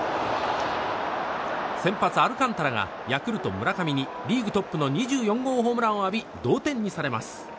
先発、アルカンタラがヤクルト、村上に２４号ホームランを浴び同点にされます。